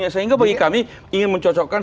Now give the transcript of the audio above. sehingga bagi kami ingin mencocokkan